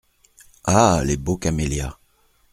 Ah ! les beaux camélias !…